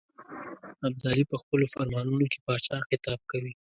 ابدالي په خپلو فرمانونو کې پاچا خطاب کوي.